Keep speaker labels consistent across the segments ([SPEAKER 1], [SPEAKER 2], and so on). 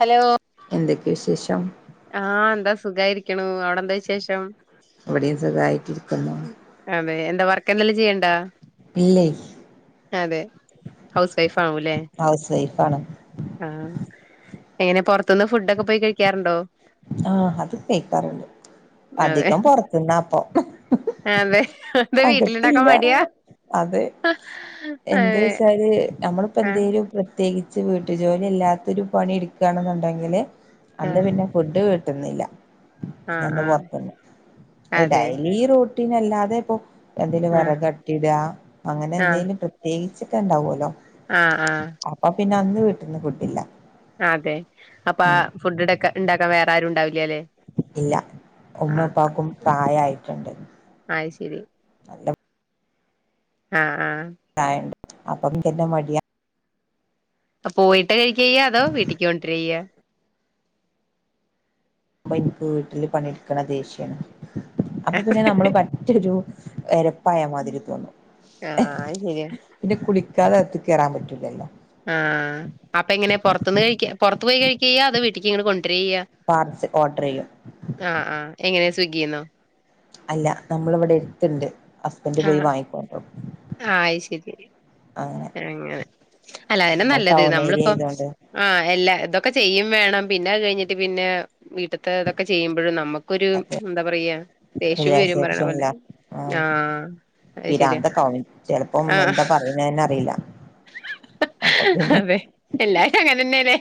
[SPEAKER 1] Hello
[SPEAKER 2] എന്തൊക്കെ വിശേഷം
[SPEAKER 1] ആഹ എന്താ സുഖായിരിക്കണ അവിടെന്ത
[SPEAKER 2] ഇവിടെയും സുഖായിട്ടിരിക്കുന്നു
[SPEAKER 1] അതെ ത്താ എന്തെല്ലാം ചെയ്യണ്ടാ
[SPEAKER 2] ഇല്ലേ
[SPEAKER 1] അതെ ഹൗസ് വൈഫ് ആകുല്ലേ
[SPEAKER 2] കാണ്
[SPEAKER 1] ആ എങ്ങനെ പൊറത്തൊന്ന് ഫുഡൊക്കെ പോയി കഴിക്കാറുണ്ടോ
[SPEAKER 2] ആ അത് കഴിക്കാറുണ്ട്
[SPEAKER 1] അതെ
[SPEAKER 2] അധികം പൊറത്തന്നാപ്പൊ
[SPEAKER 1] അതെ അതെ
[SPEAKER 2] അകത്തി
[SPEAKER 1] വീട്ടിലുണ്ടാക്കാൻ
[SPEAKER 2] ല്ല
[SPEAKER 1] മടിയാ
[SPEAKER 2] അത് എന്താ
[SPEAKER 1] അതെ
[SPEAKER 2] വെച്ചാല് നമ്മളിപ്പോ
[SPEAKER 1] ആഹ്
[SPEAKER 2] എന്തെിലും പ്രത്യേകി ച്ച് വീട്ടു ജോലി ഇല്ലാത്തൊരു പണി എടുക്കുകയാണെന്നുണ്ടെങ്കില് അന്ന്
[SPEAKER 1] ആഹ്
[SPEAKER 2] പിന്നെ വിട്ടിനില്ല പിന്നെ
[SPEAKER 1] ആഹ്
[SPEAKER 2] അന്ന്
[SPEAKER 1] ആഹ്
[SPEAKER 2] പൊറത്തന്ന്
[SPEAKER 1] അതെ
[SPEAKER 2] ഡെയിലി റൂ ല്ലാതെ ഇപ്പൊ എന്തെേലും
[SPEAKER 1] ആഹ്
[SPEAKER 2] വിറക് അട്ടി ടാ അങ്ങനെ എന്തേലും പ്രത്യേകി ചിക്കൻ ഉണ്ടാവുമല്ലോ
[SPEAKER 1] ആ ആ
[SPEAKER 2] അപ്പൊ പിന്നെ അന്ന് വീട്ടിന്ന് ഫുഡില്ല
[SPEAKER 1] ആ അതെ അപ്പൊ
[SPEAKER 2] ഉം
[SPEAKER 1] ഫുഡ്ക്ക ഉണ്ടാക്കാൻ വേറെ ആരും ഉണ്ടാവില്ല ല്ലേ
[SPEAKER 2] ഇല്ല ഉമ്മപ്പാക്കും പ്രായയിട്ടുണ്ട്
[SPEAKER 1] അത്
[SPEAKER 2] നല്ല
[SPEAKER 1] ആ ആ
[SPEAKER 2] പ്രായം ഉണ്ട് അപ്പം പിന്നെ മടിയ
[SPEAKER 1] അപ്പ പോയിട്ട കഴിക്കയ്യ അതോ വീട്ടക്ക് കൊണ്ട രയ്യ്യ്
[SPEAKER 2] അ എനിക്ക് വീട്ടില് പണിയെടുക്കണ ദേഷ്യാണ് അപ്പൊ പിന്നെ നമ്മള് മറ്റൊരു എരപ്പായ മാതിരി തോന്നുന്നു
[SPEAKER 1] ആഹ് അത് ശരിയാ
[SPEAKER 2] പിന്നെ കുളി തെ അകത്ത്ക്ക് കയറൻ പറ്റില്ലല്ലോ
[SPEAKER 1] ആ അപ്പൊ എങ്ങനെ പുറത്തുന്ന് കഴിക്ക പുറത്തു പോയി കഴിക്യ്യാ അത് വീട്ടക്ക് ഇങ്ങനെ കൊണ്ട കൈക്കയ്യ
[SPEAKER 2] പാർസൽ ഓർഡർ ചെയ്യും
[SPEAKER 1] ആ ആ എങ്ങനെയ സ്വിഗ്ഗിന്നോ
[SPEAKER 2] അല്ല നമ്മൾഇവിടെ എടുത്തിണ്ട് ഹസ്ബൻഡ് പോയി വാങ്ങിക്കോണ്ടണ്ടരും
[SPEAKER 1] ആ അയ് ശരി അങ്ങനെ അല്ല അതിനെ
[SPEAKER 2] നമ്മൾ
[SPEAKER 1] നല്ലത്
[SPEAKER 2] ടൗൺ ഏരിയ
[SPEAKER 1] നമ്മളിപ്പോ
[SPEAKER 2] ആയതുകൊണ്ട്
[SPEAKER 1] ആ എല്ലാ ഇതൊക്ക ഒക്കെ ചെയ്യും വേണം പിന്നെ അത് കഴിഞ്ഞിട്ട് പിന്നെ വീട്ടത്തെ ഇതൊക്കെ ചെയ്യുമ്പോഴും നമുക്കൊരു
[SPEAKER 2] അതെ
[SPEAKER 1] എന്താ പറയാ ദേഷ്യവും വരും പറയണ
[SPEAKER 2] റിലാക്സേഷൻ
[SPEAKER 1] പോലെ ആ
[SPEAKER 2] പിരാന്ത്കാവും ചെലപ്പം എന്താ പറയുന്ന അ അറിലാ അപ്പൊ പിന്നെ
[SPEAKER 1] അതെ എല്ലാരും അങ്ങനെ തന്നെയല്ലേ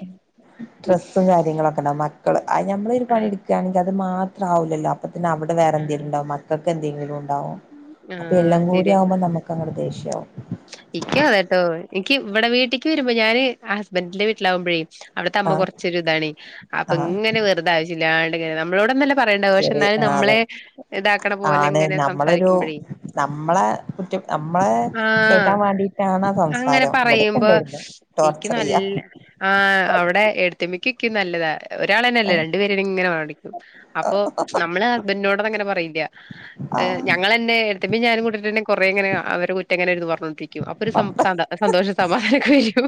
[SPEAKER 2] ഡ്രസ്സും കാര്യങ്ങളൊക്കെ ഉണ്ടാവക മക്കള് നഞമ്മളൊ ഒരു പണിയ
[SPEAKER 1] ആഹ്
[SPEAKER 2] എടുക്കുകയാണെങ്കിൽ അത് മാത്രം ആവൂല്ലല്ലോ അപ്പോത്തിന് അവിടെ വറെ എന്തെങ്കില
[SPEAKER 1] ആഹ്
[SPEAKER 2] ഉണ്ടകും മക്കക്ക് എന്തെങ്കിലും ണ്ടും അപ്പൊ എല്ലാം
[SPEAKER 1] ആഹ്
[SPEAKER 2] കൂടി
[SPEAKER 1] ശരിയാ
[SPEAKER 2] ആകുമ്പോ നമുക്ക് അങ്ങടെ ദേഷ്യവും
[SPEAKER 1] ഇക്കും അതെട്ടോ എനിക്ക് ഇവിടെ വീട്ടേക്ക് വരുമ്പോ ഞാന് ആ ഹസ്ബൻഡിന്റെ വീട്ടിലാവകുമ്പഴും അവിടത്തെ അമ്മ
[SPEAKER 2] ആഹ്
[SPEAKER 1] കൊറച്ചൊരു ഇതാണ് അപ്പൊ
[SPEAKER 2] ആഹ്
[SPEAKER 1] ഇങ്ങനെ വെറുത ആവശ്യ ഇല്ലാങ്ങനെ നമ്മളോടന്നല്ല പറയേണ്ട പക്ഷെ
[SPEAKER 2] ചെറിയ
[SPEAKER 1] എന്നാലും
[SPEAKER 2] ആഹ് അതെ
[SPEAKER 1] നമ്മളെ ഇതാക്കണ പോലെ
[SPEAKER 2] ആണ്
[SPEAKER 1] ഇങ്ങനെ
[SPEAKER 2] നമ്മളൊരു
[SPEAKER 1] സംസാരിക്കുമ്പോഴേും
[SPEAKER 2] നമ്മളെ കുറ്റ നമ്മള
[SPEAKER 1] ആഹ്
[SPEAKER 2] കേക്കാൻ വേണ്ടിട്ടാണ്
[SPEAKER 1] അങ്ങനെ
[SPEAKER 2] സംസാരം ഇവിടെൊക്കെ
[SPEAKER 1] പറയുമ്പോ
[SPEAKER 2] ഉണ്ടായിരുന്നു
[SPEAKER 1] എനിക്ക്
[SPEAKER 2] ടോർച്ചർ ചെയ്യാ
[SPEAKER 1] നല്ല ആ അവിടെ എടത്തിയ മ്മക്ക് ഇക്കും നല്ലതാ ഒരാൾ തന്നെയല്ലേ രണ്ടു പേര ഇങ്ങനെ മടിക്കും അപ്പൊ നമ്മള് ഹസ്ബന്റനോടന്ന അങ്ങനെ പറയില്ല
[SPEAKER 2] ആഹ്
[SPEAKER 1] ഞങ്ങൾന്നെ എത്ത്പ ഞാൻ കൂട്ട്ന്നെ കുറെേങ്ങനെ അവരെ കുറ്റംങ്ങനെ പറഞ്ഞുകൊണ്ടിരിക്കും അപ്പൊ ഒരു സന്തോഷ സമാധാനമൊക്കെ വരും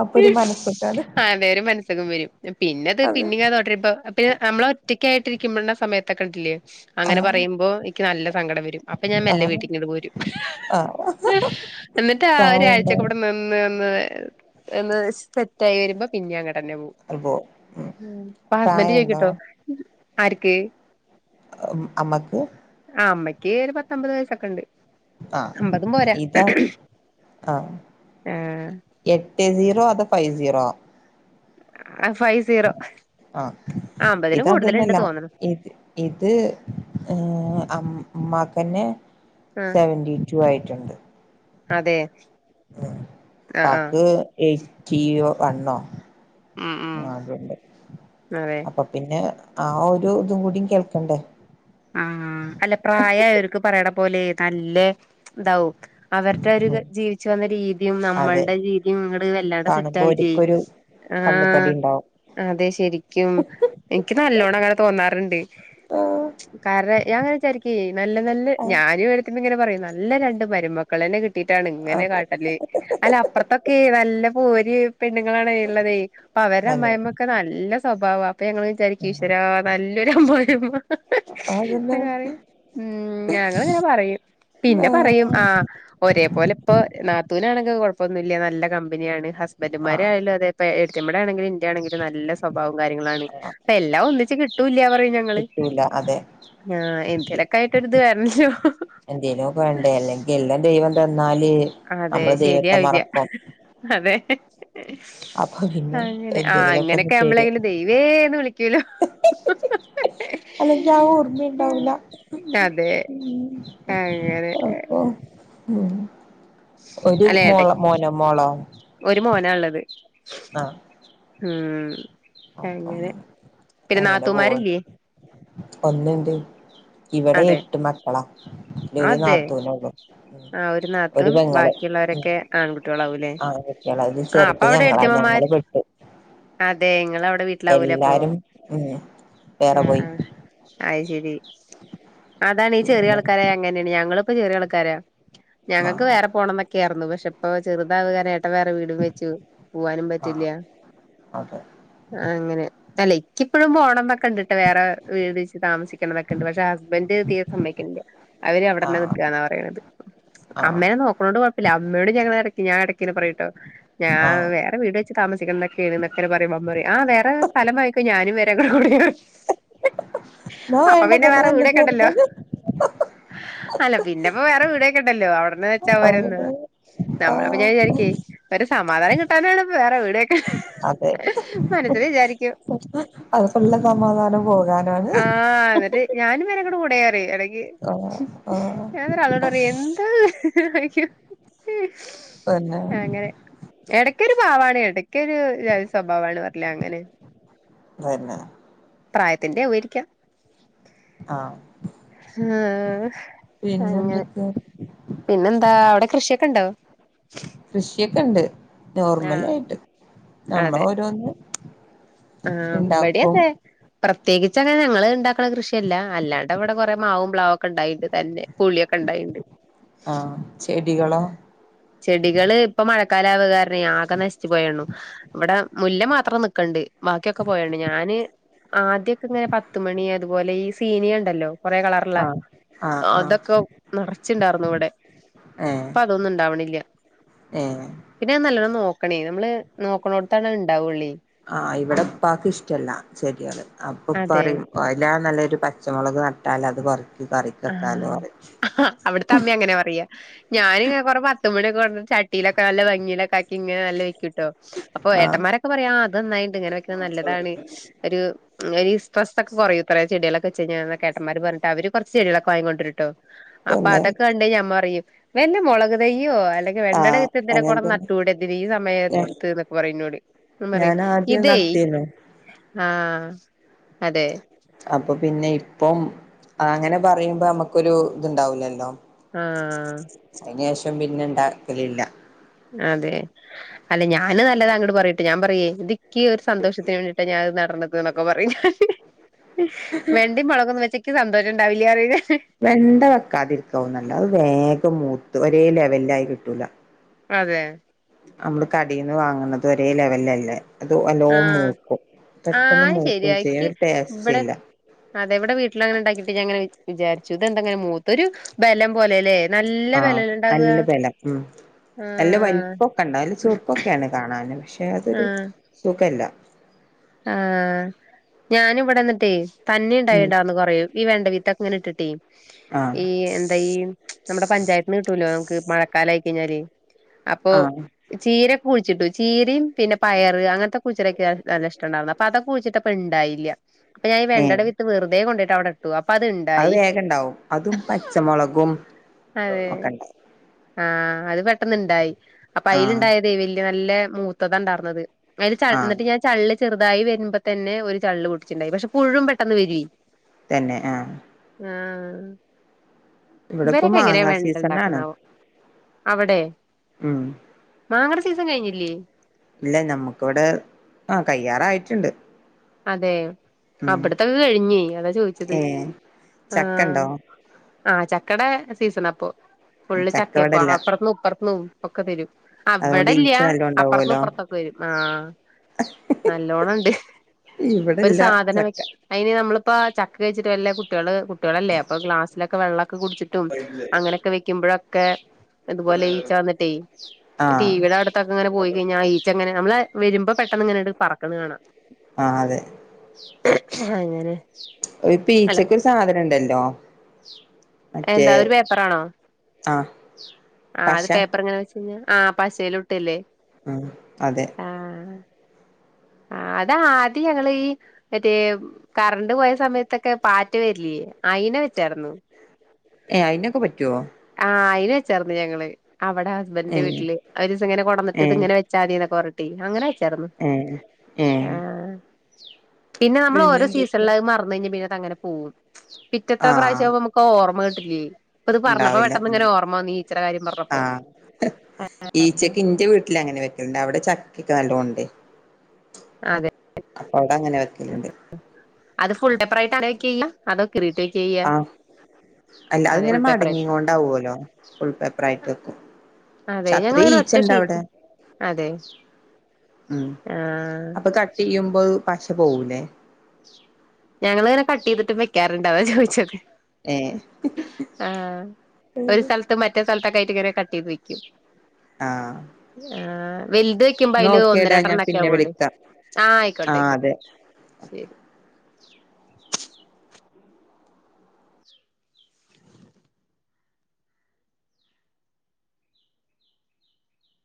[SPEAKER 2] അപ്പൊ ഒരു മനസ്സക്കാണ്
[SPEAKER 1] ആ എന്തേരും മനസ്സക്കും വരും പിന്നെ അത്
[SPEAKER 2] അതെ
[SPEAKER 1] പിന്നീങ്ങെ തോടരൂബം ഇപ്പ പിന്നെ നമ്മള ഒറ്റക്കായിട്ട് ഇരിക്കുമ്പോന്ന സമയത്തൊക്കെണ്ടല്ലോ അങ്ങനെ
[SPEAKER 2] ആഹ്
[SPEAKER 1] പറയുമ്പോ എനിക്ക് നല്ല സങ്കടം വരും അപ്പൊ ഞാൻ മല്ലെ
[SPEAKER 2] ആഹ്
[SPEAKER 1] വീട്ടിങ്ങട്ട് പോരും
[SPEAKER 2] ആഹ്
[SPEAKER 1] എന്നിട്ട്
[SPEAKER 2] പ്രായണ്ടോ
[SPEAKER 1] ഒരാഴ്ചക്കെ ഇവിടെ നിന്ന്ന്ന് സെറ്റ് ആായി വരുമ്പോ പിന്നെ അങ്ങ
[SPEAKER 2] അപ്പോ
[SPEAKER 1] പോകും ഹസ്ബൻഡ്
[SPEAKER 2] പ്രായണ്ടോ
[SPEAKER 1] ചോയ്ക്കുട്ടോ ആർക്ക്
[SPEAKER 2] അമ്മക്ക്
[SPEAKER 1] ആ അമ്മയ്ക്ക് ഒരു പത്തമ്പത് വയസൊക്കെ ഉണ്ട് അമ്പതും പോരാ
[SPEAKER 2] ആ എട്ട് സീറോ അത് ഫൈവ് സീറോ ആ
[SPEAKER 1] ആഹ് ഫൈവ് സീറോ.
[SPEAKER 2] ആഹ്
[SPEAKER 1] ആഹ് അമ്പതിന്
[SPEAKER 2] ഇത
[SPEAKER 1] കൂടുതലുണ്ട്
[SPEAKER 2] അതൊന്നല്ല
[SPEAKER 1] തോന്നണു
[SPEAKER 2] ഇത് ഏ മ്മക്കന്നെ
[SPEAKER 1] ആഹ്
[SPEAKER 2] സെവന്റി ടു ആയിട്ടുണ്ട്.
[SPEAKER 1] അതെ.
[SPEAKER 2] ഉ
[SPEAKER 1] ആഹ് ആഹ്
[SPEAKER 2] പാക്ക് ഏറ്റി വണ്ണോ
[SPEAKER 1] ഉം ഉം
[SPEAKER 2] ആ അതണ്ട്
[SPEAKER 1] അതെ
[SPEAKER 2] അപ്പൊ പിന്നെ ആ ഒരു ഇതും കൂടി കേൾക്കണ്ടേ.
[SPEAKER 1] ആഹ് അല്ല പ്രായയർക്ക് പറയണ പോലെ നല്ല ഇതാവും. അവരുടെ ഒരു
[SPEAKER 2] ഉം
[SPEAKER 1] ജീവിച്ചു വന്ന രീതിയും
[SPEAKER 2] അതെ
[SPEAKER 1] നമ്മളുടെ രീതിയും ഇങ്ങട് വല്ലാടെ സെറ്റ് ആവെ ചെയ്
[SPEAKER 2] കണ്ണുകടിണ്ടാവും.
[SPEAKER 1] അതെ ശരിക്കും എനിക്ക് നല്ലോണം അങ്ങനെ തോന്നാറ്ണ്ട്.
[SPEAKER 2] ആഹ്
[SPEAKER 1] കാരണം ഞ അങ്ങനെ വിചാരിക്ക നല്ല നല്ല
[SPEAKER 2] ആഹ്
[SPEAKER 1] ഞാനും എത്തി് ഇങ്ങനെ പറയും നല്ല രണ്ട് മരുമക്കള് ന്നെ കി കിട്ടീട്ടാണ് ഇങ്ങനെ
[SPEAKER 2] അത്
[SPEAKER 1] കാട്ടല്. അല്ല അപ്പുറത്തൊക്കെ നല്ല പോര് പെണ്ണുങ്ങളാണ് ഇള്ളതേ അപ്പൊ അവരുടെ
[SPEAKER 2] തന്നെ
[SPEAKER 1] അമ്മായിമ്മക്കെ നല്ല സ്വഭാവ. അപ്പൊ ഞങ്ങള് വിചാരിക്കും ഈശ്വര നല്ലൊരു അമ്മയി
[SPEAKER 2] ആ
[SPEAKER 1] ഉം ഞങ്ങളിനെ പറയും പിന്നെ പറയും ആഹ് ഒരേപോലെ ഇപ്പൊ നാത്തൂനാണെങ്കി കുഴപ്പൊന്നുല്ല നല്ല കമ്പനിയാണ്
[SPEAKER 2] ആഹ്
[SPEAKER 1] ഹസ്ബന്റുമാരായാലും അതേപ്പ മമ്മടെ ആണെങ്കിലും എന്റെ ആണെങ്കില നല്ല സ്വഭാവം കാര്യങ്ങളാണ്. അപ്പ എല്ലാം ഒന്നിച്ച് കിട്ടൂല്ല്യ പറഞ്ഞാ
[SPEAKER 2] കിട്ടൂല്ല.
[SPEAKER 1] ആഹ് എന്തേലൊക്കെ ആയിട്ടൊരിത് വരണല്ലോ.
[SPEAKER 2] എന്തേലുക്കെ വേണ്ടേ അല്ലെങ്കി എല്ലാം ദൈവം തന്നാല്
[SPEAKER 1] അതെ
[SPEAKER 2] നമ്മള് ദൈവത്തെ മറക്കും.
[SPEAKER 1] ഏ
[SPEAKER 2] അപ്പൊ പിന്നെ
[SPEAKER 1] അങ്ങനെ ആ
[SPEAKER 2] എന്തെങ്കിലുമൊക്കെ ഒന്ന്
[SPEAKER 1] അങ്ങനൊക്കെ
[SPEAKER 2] തരും
[SPEAKER 1] നമ്മളങ്ങനെ ദൈവേന്ന് വിളിക്കൂലോ.
[SPEAKER 2] അല്ലെങ്കി ആ ഓർമ്മയുണ്ടാവില്ല.
[SPEAKER 1] അതെ അങ്ങനെ
[SPEAKER 2] അപ്പൊ ഉം ഒരു മോള മോനോ മോള
[SPEAKER 1] മോന ഇള്ളത്.
[SPEAKER 2] ആഹ്
[SPEAKER 1] ഉം
[SPEAKER 2] അപ്പം
[SPEAKER 1] അങ്ങനെ പിന്നെ
[SPEAKER 2] അങ്ങനെ പോവണ്ട്
[SPEAKER 1] നാത്തൂമാരില്ലേ?
[SPEAKER 2] ഒന്നുണ്ട് ഇവിടെ
[SPEAKER 1] അതെ
[SPEAKER 2] എട്ട് മക്കളാ അ ഒരു
[SPEAKER 1] അതെ
[SPEAKER 2] നാത്തൂനേള്ളൂ. ഉം
[SPEAKER 1] ആഹ്
[SPEAKER 2] ഒരു
[SPEAKER 1] നാത്തൂൻ
[SPEAKER 2] പെങ്ങള്
[SPEAKER 1] ബാക്കിയുള്ളവരൊക്കെ ആൺകുട്ടികളാവൂല്ലേ
[SPEAKER 2] ആക അത്
[SPEAKER 1] ആഹ് അപ്പൊ
[SPEAKER 2] ചെർത്
[SPEAKER 1] അവിടെ
[SPEAKER 2] ഞങ്ങളാ ഞ ങ്ങള്
[SPEAKER 1] ഏടത്തിയമ്മമാര്
[SPEAKER 2] പെട്ടു.
[SPEAKER 1] അതെ നിങ്ങള് അവിടെ വീട്ടിലാവൂലെ അപ്പൊ
[SPEAKER 2] എല്ലാരും ഉം വേറെ
[SPEAKER 1] ആഹ്
[SPEAKER 2] പോയി
[SPEAKER 1] ആഹ് അയ് ശരി. അതാണ് ഈ ചെറിയ
[SPEAKER 2] പിന്നെ
[SPEAKER 1] ആൾക്കാരെ അങ്ങനെയാണ് ഞങ്ങള് ഇപ്പൊ ചെറിയ ആൾക്കാരാ ഞങ്ങക്ക്
[SPEAKER 2] ആഹ്
[SPEAKER 1] വേറേ പോണംന്നൊക്കെആർന്നു. പക്ഷെ ഇപ്പോ ചെറുതാവകാര ഏ ഇട്ട വേറെ വീടും വെച്ചു പോവാനും പറ്റില്ല.
[SPEAKER 2] ആഹ് അതെ
[SPEAKER 1] ആ അങ്ങനെ അല്ല എക്കിപ്പഴും പോണം എന്നൊക്കെ ഉണ്ട്ട്ട് വേറെ വീട് വച്ച് താമസിക്കണന്നോക്കെ ഉണ്ട്. പക്ഷെ ഹസ്ബന്റ് തീരെ സമ്മക്കണില്ല. അവര് അവിടന്നെ
[SPEAKER 2] ആഹ്
[SPEAKER 1] നിക്കുആന്നാ പറയണത്.
[SPEAKER 2] ആഹ്
[SPEAKER 1] അമ്മേനെ നോക്കണോണ്ട് കുഴപ്പില്ല. അമ്മേ ഞങ്ങളെ എറക്കി ഞ ഇടക്കിനെ പറയിട്ടോ ഞാ
[SPEAKER 2] ആഹ്
[SPEAKER 1] വേറേ വീട് വച്ച് താമ ക്കെൊക്കെ പറയുമ്പം അമ്മറയും ആ വേറെ സ്ഥലംമായിയിക്കോ ഞാനും വര ഇങ്ങടെ കൂടെ
[SPEAKER 2] എന്നാ
[SPEAKER 1] അപ്പൊ
[SPEAKER 2] വേണ്ട
[SPEAKER 1] പിന്നെ
[SPEAKER 2] തന്നെ
[SPEAKER 1] വേറെ
[SPEAKER 2] നല്ലത്
[SPEAKER 1] വീടക്കണ്ടല്ലോ.
[SPEAKER 2] പറഞ്ഞാല്
[SPEAKER 1] അല്ല പിന്നെപ്പോ വേറെ വീടക്കെണ്ടല്ലോ. അവിടന്ന് വെച്ചാ പോരന്ന് നമ്മ അപ്പൊ
[SPEAKER 2] ആഹ്
[SPEAKER 1] ഞാൻ വിചാരിക്കെ സമാധാനം കിട്ടാനാണ് വേറെ വീടെക്കെ
[SPEAKER 2] അതെ
[SPEAKER 1] വിചാരിക്കും
[SPEAKER 2] അത് ഫുള്ള സമാധാനം പോകാൻ
[SPEAKER 1] ആഹ് അത എ ഞാനും വേറെങ്ങുട് കൂടെയാറിയും എടക്ക്
[SPEAKER 2] ആഹ് ആഹ്
[SPEAKER 1] ഞാന്നേരം ആളോടറയും എന്താ [unintelligible]
[SPEAKER 2] പിന്നെ
[SPEAKER 1] അങ്ങനെ എടക്കൊര് പാവാണ് എടക്കെര് ജാതിസ്വഭാവാണ് പറഞ്ഞു. ല്ല അങ്ങനെ
[SPEAKER 2] തന്നെ
[SPEAKER 1] പ്രായത്തിന്റാവ്വായിരിക്കാം.
[SPEAKER 2] ആഹ്
[SPEAKER 1] ആഹ്
[SPEAKER 2] പിന്നെ
[SPEAKER 1] അങ്ങനെ
[SPEAKER 2] എന്തൊക്കെയാ
[SPEAKER 1] പിന്നെന്താ അവടെ കൃഷിക്കെണ്ടോ
[SPEAKER 2] നോർമലായ്ട്ട്
[SPEAKER 1] അതെ
[SPEAKER 2] നമ്മളോരോന്ന്
[SPEAKER 1] ആഹ് വടീഅതെ പ്ര ത്യേകിച്ചങ്ങനെ ഞങ്ങള്ണ്ടാക്ക്ണ കൃഷി അല്ല. അല്ലാണ്ഡവടെ കൊറേ മാവും പ്ലാവും ഒക്കെ ണ്ടായീണ്ട്. തന്നെ പുളി ഒക്കെണ്ടായീണ്ട്
[SPEAKER 2] ആഹ് ചെടികളോ
[SPEAKER 1] മ് ചെടികള് പ്പമഴ ക്കാലാവകാരണേ ആകെ നശിച്ച് പോയണ്ണു. ഇവടെ മുല്ല മാത്രം ന്ക്ക്ണ്ട്. ബാക്കിഒക്കെ പോയണ്ണു. ഞാന് ആദ്യൊക്കെ ങ്ങനെ പത്ത്മണി അതുപോലെ ഈ സീനിയണ്ടല്ലോ കൊറെേ കളറ്ള്ളെ
[SPEAKER 2] ആഹ് ആഹ് ആഹ്
[SPEAKER 1] അതൊക്കെ നെർച്ച്ണ്ടാർന്നു വടെ.
[SPEAKER 2] ഏഹ്
[SPEAKER 1] പ്പ അതൊന്നും ണ്ടാവ്ണില്ല.
[SPEAKER 2] ഏഹ്
[SPEAKER 1] പിന്നത് നല്ലോണ്ണം നോക്ക ക്കണേ നമ്മള് നോക്കണോടത്താണത്ണ്ടവൊള്ളേ
[SPEAKER 2] ആഹ് ഇവടെ ഇപ്പാക്ക് ഇഷ്ട്ടല്ല. ചെട്യാള് അപ്പൊ
[SPEAKER 1] അതെ
[SPEAKER 2] ഇപ്പറയും അയ്ലാറെ നല്ലത് ഒരു പച്ചമൊളക് നട്ടാലത് പറി
[SPEAKER 1] ആഹ് അവ്ട്ത്തെ അമ്മേം അങ്ങനേ പറയാ ഞാന്ങ്ങനെ കൊറേ പത്തുമണിക്കെ ചട്ടീലൊക്കെ നല്ല ഭംഗീലൊക്കാക്കി ങ്ങനെ നല്ല വെക്കൂട്ടോ അപ്പൊ
[SPEAKER 2] ആഹ്
[SPEAKER 1] ഏട്ടന്മാരൊക്കെ പറയാ തന്നായീണ്ട് ഇങ്ങനെ വെക്ക്ണെ നല്ലതാണ് ഒര് രി സ്‌ട്രെസ്സോക്കെ കൊറയുത്രേ ചെഡ്യാളൊക്കെവെച്ചയ്ഞ്ഞാ ഏട്ടന്മാരൊക്കെ പറഞ്ഞട്ട് അവര് കൊർ ച്ച് ചെടിയാളൊക്കെ വാങ്ങി കോണ്ട്രുട്ടോ അപ്പൊ
[SPEAKER 2] തന്നെ
[SPEAKER 1] അതൊക്കെ കണ്ടയ്ഞാ അമ്മ പറയും വല്ല മൊളക് തെയ്യോ അ ല്ലെങ്കി വെണ്ടടെ
[SPEAKER 2] ആഹ്
[SPEAKER 1] വിത്തോ എന്തിന
[SPEAKER 2] അങ്ങനെ
[SPEAKER 1] കൊണ്ട്
[SPEAKER 2] തന്നെ
[SPEAKER 1] നട്ടൂടെ ഈ
[SPEAKER 2] ഞ
[SPEAKER 1] സമയത്ത്ന്നക്കെ പറയുനൊട് അപ്പഞാ പറയും ഇതേ
[SPEAKER 2] ത്തിന
[SPEAKER 1] ആഹ് അതെ
[SPEAKER 2] അപ്പ പിന്നെയ് അപ്പം അങ്ങനെ പറയ്മ്പോ നമ്മക്കൊരു ത്ണ്ടാവൂലല്ലോ
[SPEAKER 1] ആഹ്
[SPEAKER 2] പിന്നെ ണ്ടാക്കലില്ല
[SPEAKER 1] അതെ അല്ല ഞാന് നല്ലതാ അങ്ങോട്ട പറയിട്ട് ഞാൻ പറയേ എതൊക്ക് ഒരു സന്തോഷത്തിന് വേണ്ടീയിട്ട് ഞാൻ ന്നൊക്കെ പറീം വെണ്ടീം മൊളക്കൊന്ന് വെച്ചക്ക് സന്തോഷണ്ടാവില്ലറീം
[SPEAKER 2] വെണ്ട വെക്കാതിരിക്കാവും നല്ലത്. അത് വേഗം മൂത്ത് ഒരേ ലെവലിലായി കിട്ടൂല.
[SPEAKER 1] അതെ
[SPEAKER 2] നമ്മള് കടീന്ന് വാങ്ങ്ണത് ഒരേ ലെവലിലല്ലേ അത് വല്ലോം
[SPEAKER 1] ആഹ്
[SPEAKER 2] മൂക്കും
[SPEAKER 1] ആഹ്
[SPEAKER 2] പെട്ടെന്ന്
[SPEAKER 1] അത് ശരിയാ
[SPEAKER 2] മൂക്കുചെയ്യും
[SPEAKER 1] ഇക്ക്
[SPEAKER 2] അതൊര്
[SPEAKER 1] ഇവിടെ
[SPEAKER 2] ടേസ്റ്റില്ല.
[SPEAKER 1] അതെ ഇവടെ വീട്ടില് അങ്ങനെണ്ടാക്കിട്ട് ഞങ്ങനെ വിചാര്ച്ചു ഇതെന്താങ്ങനെ മൂത്ത ഒരു ബലം പോലെല്ലേ നല്ല
[SPEAKER 2] ആഹ്
[SPEAKER 1] ബെലല്ലെണ്ടാവ്ആ
[SPEAKER 2] നല്ല ബലം ഉം നല്ല വൽപ്പൊക്കെണ്ടാവും. നല്ല ചെറ്ക്കൊക്കേണ് കാണന് പക്ഷെ അതൊരു
[SPEAKER 1] ആഹ്
[SPEAKER 2] സുഖല്ല
[SPEAKER 1] ആഹ് ഞാന് വടെന്നിട്ടേയ്
[SPEAKER 2] ഉം
[SPEAKER 1] തന്നേണ്ടായിര്ന്നു കൊറേ ഈ വെണ്ട വിത്തൊക്കെങ്ങനെ ഇട്ട്ട്ടേയ്
[SPEAKER 2] ആഹ്
[SPEAKER 1] ഈ എന്താ ഈ നമ്മടെ പഞ്ചായത്ത്ന്ന് കിട്ടൂലോ നമ്ക്ക് മഴക്കാലായി കഴിഞ്ഞാല് അപ്പൊ
[SPEAKER 2] ആഹ്
[SPEAKER 1] ചീരക്കെ കുഴിച്ചിട്ടു. ചീരീം പിന്നെ പയറ് അങ്ങത്തെ കുച്ചീടെക്കെ നല്ലഷ് അപ്പൊ അതക്കെ കുഴിച്ച്ട്ടപ്പണ്ടായില്ല അപ്പൊ ഞാൻ ഈ
[SPEAKER 2] ഏ
[SPEAKER 1] വെണ്ടടെ വിത്ത് വെർതേ കൊണ്ടോയിട്ട് അവടെ ഇട്ടു. അപ്പൊ
[SPEAKER 2] അത്
[SPEAKER 1] അത്ണ്ടായി
[SPEAKER 2] വേഗണ്ടാവും അതും പച്ചമൊളകും ഒക്കണ്ടായി
[SPEAKER 1] ആഹ അത് പെട്ടന്ന്ണ്ടായി. അപ്പൊ അയ്ല്
[SPEAKER 2] ആഹ്
[SPEAKER 1] ഇണ്ടായതേ വല്ല്യ നല്ല മൂത്തതാ ണ്ടാർന്നത്. അതില് ച
[SPEAKER 2] ആഹ്
[SPEAKER 1] ന്ന്ട്ട് ഞാം ചള്ള് ചെറുതായി വെര്മ്പതന്നെ ഒരു ചള്ള് പൊട്ടിച്ച്ണ്ടായിര്ന്ന് പക്ഷെ പുഴൂമ് പെട്ടന്ന് വെരോയ്
[SPEAKER 2] തന്നെ ആഹ്
[SPEAKER 1] ആഹ്
[SPEAKER 2] ഇവിടെ ഇപ്പ
[SPEAKER 1] ഇവരൊക്കെങ്ങനെ
[SPEAKER 2] മാങ്ങാ സീസണാണ്
[SPEAKER 1] വെണ്ടണ്ടാക്ക്ണാവോ അവടേ
[SPEAKER 2] ഉം
[SPEAKER 1] മാങ്ങടെ സീസൺ കഴിഞ്ഞില്ലേ
[SPEAKER 2] ഇല്ല നമ്മുക്കിവിടെ ആ കയ്യാറായിട്ടുണ്ട്
[SPEAKER 1] അതെ
[SPEAKER 2] ഉം
[SPEAKER 1] അവിടത്തെൊക്കെ കഴിഞ്ഞേ അതാ ചോദിച്ചത്
[SPEAKER 2] ഏ ചക്ക
[SPEAKER 1] ആഹ
[SPEAKER 2] ഉണ്ടോ
[SPEAKER 1] ആഹ ചക്കട സീസൺ അപ്പൊ ഫള്ി
[SPEAKER 2] ചക്ക
[SPEAKER 1] ചക്കെ പോ
[SPEAKER 2] ഇവിടെല്ല
[SPEAKER 1] അപ്പറത്തും ഇപ്പറത്ത ഒക്കെ തരും
[SPEAKER 2] അതുകൊണ്ട് ഈച്ച
[SPEAKER 1] അവിടല്ലയാ
[SPEAKER 2] നല്ലോം
[SPEAKER 1] അപ്പറത്തും
[SPEAKER 2] ഉണ്ടാവുമല്ലോ
[SPEAKER 1] ഇപ്പുറത്തൊക്കെ തരും ആഹ നല്ലോണംുണ്ട് ഒരു
[SPEAKER 2] ഇവിടെല്ല
[SPEAKER 1] സാധനം വെ
[SPEAKER 2] ചക്ക
[SPEAKER 1] അതിന് നമ്മളിപ്പോ ചക്ക കഴിച്ചിട്ട് വല്ല കുട്ടികള് കുട്ടികളല്ലേ അപ്പ ഗലാസ്ിലക്കെ വെള്ള കുടിച്ചിട്ടും അങ്ങനെയൊക്കെ വെക്കുമ്പോഴൊക്കെ ഇതുപോലെ ഈച്ച വന്നിട്ടേ
[SPEAKER 2] ആഹ്
[SPEAKER 1] ടിവടെ അടുത്തൊക്കെ അങ്ങനെ പോയി കഴിഞ്ഞാ ആ ഈച്ച അങ്ങനെ നമ്മള് വരുമ്പോ പെ എങ്ങനെയ പറക്കന്ന് കാണാം
[SPEAKER 2] നാല്
[SPEAKER 1] അങ്ങനെ
[SPEAKER 2] ഒരു
[SPEAKER 1] അല്ല
[SPEAKER 2] പഈച്ചക്കൊ ഒരു സാധനം ഉണ്ടല്ലോ മറ്റേ
[SPEAKER 1] എന്താ ഒരു പേപ്പറാണോ
[SPEAKER 2] ആഹ്
[SPEAKER 1] ആ അത്
[SPEAKER 2] പശ
[SPEAKER 1] പേപ്പർ എങ്ങനെ വെച്ച കഴ ആ പശേൽ ഇട്ടല്ലേ
[SPEAKER 2] ഉം അതെ
[SPEAKER 1] ആഹ അത ആദ്യം ഞങ്ങ ഈ മറ്റേ കറണ്ട് പോയ സമയത്തൊക്കെ പാറ്റ് വരിലേ അന് എന്നെ വെച്ചായിരുന്നു
[SPEAKER 2] ഏ അയിതിനൊക്കെ പറ്റുവോ
[SPEAKER 1] ആഹ അയിന് വെച്ചർരുന്നു ഞങ്ങള് അവിടെ
[SPEAKER 2] ഏ
[SPEAKER 1] ഹസ്ബൻഡന്റെ വീട്ടില് അവര് ഇങ്ങെ കൊടന്നിട്ട്
[SPEAKER 2] ഏ
[SPEAKER 1] ഇത്ങ്ങെ വെച്ചാ മതിന്നെ അങ്ങനെ വച്ചർരുന്നു
[SPEAKER 2] ഏ ഏ
[SPEAKER 1] ആഹ പിന്നെ നമ്മൾ ഓരോ
[SPEAKER 2] പിന്നെന്തൊക്കെ?
[SPEAKER 1] സീഷണില് അത് മറന്ന് കഴിഞ്ഞാ പിന്നെ അങ്ങെ പോകും പിറ്റത്തെ
[SPEAKER 2] ആഹ്
[SPEAKER 1] പ്രാവശ്യം്പ നമുക്ക് ഓമ്മ കിട്ടില്ലേ ഇപ്പൊ ഇത് പറഞ്ഞ
[SPEAKER 2] ആ ഈച്ചക്ക് ഇന്റെ വീട്ടിൽങ്ങനെ അവിടെ ചക്കൊക്കെ നല്ലതോണ്ട്
[SPEAKER 1] അതെ
[SPEAKER 2] അപ്പൊ അവിട അങ്ങനെ വെക്കലണ്ട്
[SPEAKER 1] അത് ഫുൾ ടെപ്പ്രായിട്ട് അൊക്കെ ചെയ്യ അതൊക്കെ ഇറിീട്ടൊക്കെ ചെയ്യാ
[SPEAKER 2] ആഹ് അല്ല
[SPEAKER 1] അതെ
[SPEAKER 2] അത്ങ്ങനെ
[SPEAKER 1] ഫുൾ
[SPEAKER 2] മടങ്ങി
[SPEAKER 1] പേപ്പറായിട്ട്
[SPEAKER 2] കൊണ്ടാവുവല്ലോ ഫുൾ പേപ്പർ ആയിട്ട വക്കും
[SPEAKER 1] അതെ ഞങ്ങങ്ങനെ ഒറ്റീറ്റ് അതെ
[SPEAKER 2] ഉം
[SPEAKER 1] ആഹ്
[SPEAKER 2] അപ്പൊ കട്ട് ചെയ്യുമ്പോ പശ പോവൂലേ
[SPEAKER 1] ഞങ്ങൾ ഇങ്ങെ കട്ട് ചെയ്തിട്ട് വെക്കാറുണ്ട അതോ ചോദിച്ചത്
[SPEAKER 2] ഏഹ്
[SPEAKER 1] ആഹ ഒരു സ്ഥലത്ത മറ്റേ സ്ഥലത്ത ക കട്ട ചെയത് വെക്കും
[SPEAKER 2] ആഹ്
[SPEAKER 1] വലുത് വെക്കുമ്പോ
[SPEAKER 2] ന്നാ
[SPEAKER 1] അതില് ഒന്ന
[SPEAKER 2] ഓക്കേടാ
[SPEAKER 1] രണ്ട
[SPEAKER 2] ഞാൻ
[SPEAKER 1] രണ്ണ്ട ഒക്കെ
[SPEAKER 2] പിന്നെ
[SPEAKER 1] ആവള്ളി
[SPEAKER 2] വിളിക്കാം
[SPEAKER 1] ആ ആയിക്കോട്ടെ
[SPEAKER 2] ആഹ്
[SPEAKER 1] ആയിക്കോട്ടെ
[SPEAKER 2] അതെ
[SPEAKER 1] ശരി